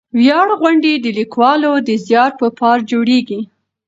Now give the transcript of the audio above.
ویاړ غونډې د لیکوالو د زیار په پار جوړېږي.